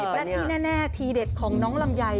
และที่แน่ทีเด็ดของน้องลำไย